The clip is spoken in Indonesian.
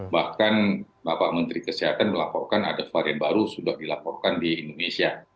bahkan bapak menteri kesehatan melaporkan ada varian baru sudah dilaporkan di indonesia